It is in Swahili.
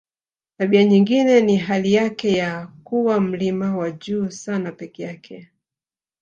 Tabia nyingine ni hali yake ya kuwa mlima wa juu sana peke yake